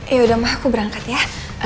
yaudah ma aku berangkat ya